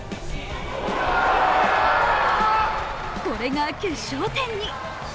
これが決勝点に。